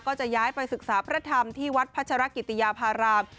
ก็จะย้ายไปศึกษาพระธรรมที่วัดพัชรกิติยาพาราม